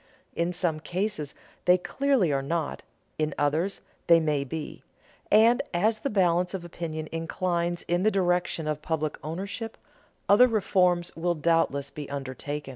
In some cases they clearly are not, in others they may be; and as the balance of opinion inclines in the direction of public ownership, other reforms will doubtless be undertaken.